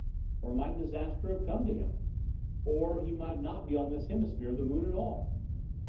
Or might disaster have come to him? Or he might not be upon this hemisphere of the moon at all....